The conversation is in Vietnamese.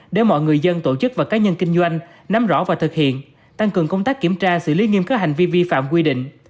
để mọi người dân tổ chức và cá nhân kinh doanh nắm rõ và thực hiện tăng cường công tác kiểm tra xử lý nghiêm các hành vi vi phạm quy định